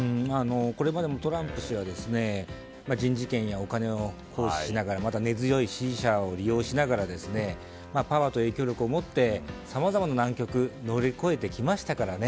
これまでもトランプ氏は人事権やお金を行使しながらまだ根強い支持者を利用しながらパワーと影響力を持ってさまざまな難局を乗り越えてきましたからね。